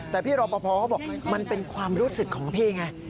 แต่พี่รอปภเขาบอกมันเป็นความรู้สึกของพี่ไง